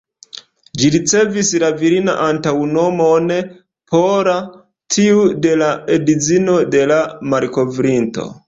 Ĝi ricevis la virina antaŭnomon ""Paula"", tiu de la edzino de la malkovrinto.